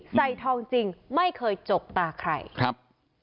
ใส่ทองจริงไม่เคยจกตาใครครับ